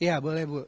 iya boleh bu